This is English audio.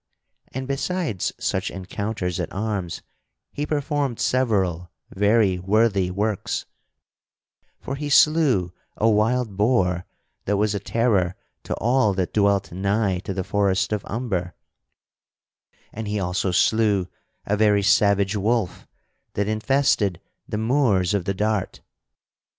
And besides such encounters at arms, he performed several very worthy works; for he slew a wild boar that was a terror to all that dwelt nigh to the forest of Umber; and he also slew a very savage wolf that infested the moors of the Dart.